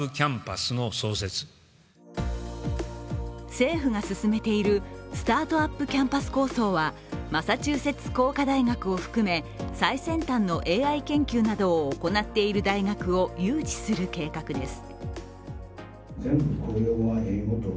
政府が進めているスタートアップ・キャンパス構想はマサチューセッツ工科大学を含め、最先端のＡＩ研究などを行っている大学を誘致する計画です。